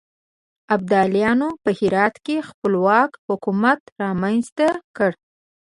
ابدالیانو په هرات کې خپلواک حکومت رامنځته کړ.